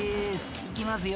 ［いきますよ。